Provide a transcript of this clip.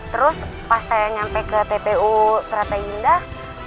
terus pas saya nyampe ke tpu strategi indah